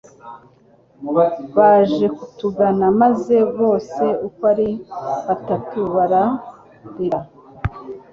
Baje kutugana maze bose uko ari batatu bararira